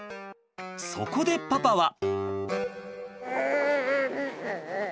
そこでパパは。